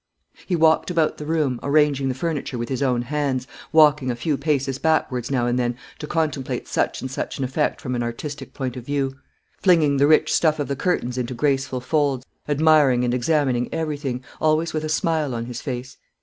He walked about the room, arranging the furniture with his own hands; walking a few paces backwards now and then to contemplate such and such an effect from an artistic point of view; flinging the rich stuff of the curtains into graceful folds; admiring and examining everything, always with a smile on his face.